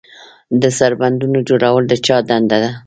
د سربندونو جوړول د چا دنده ده؟